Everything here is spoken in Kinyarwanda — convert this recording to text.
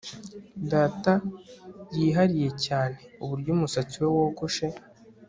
Data yihariye cyane uburyo umusatsi we wogoshe